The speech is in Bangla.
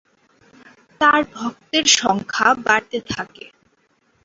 তার ভক্তের সংখ্যা বাড়তে থাকে।